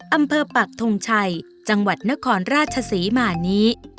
ปักทงชัยจังหวัดนครราชศรีมานี้